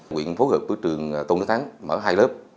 quyện phối hợp với trường tôn đức thắng mở hai lớp